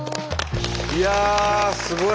いやあすごい。